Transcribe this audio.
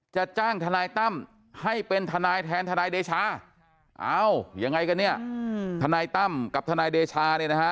จ้างทนายตั้มให้เป็นทนายแทนทนายเดชาเอ้ายังไงกันเนี่ยทนายตั้มกับทนายเดชาเนี่ยนะฮะ